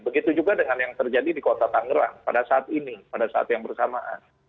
begitu juga dengan yang terjadi di kota tangerang pada saat ini pada saat yang bersamaan